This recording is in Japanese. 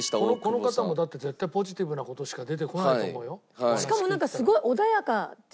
この方もだって絶対ポジティブな事しか出てこないと思うよ。